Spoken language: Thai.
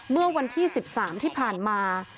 เมื่อวันที่๑๓ที่ผ่านมา